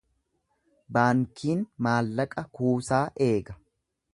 Baankiin maallaqa kuusaa eega.